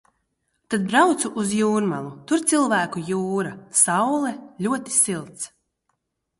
Tad braucu uz Jūrmalu. Tur cilvēku jūra. Saule, ļoti silts.